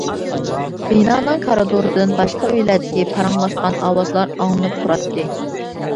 بىنانىڭ كارىدورىدىن باشقا ئۆيلەردىكى پاراڭلاشقان ئاۋازلار ئاڭلىنىپ تۇراتتى.